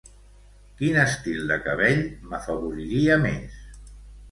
Quin estil de cabell m'afavoriria més?